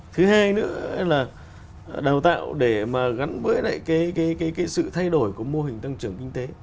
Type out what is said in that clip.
thứ hai nữa là đào tạo để mà gắn với lại cái sự thay đổi của mô hình tăng trưởng kinh tế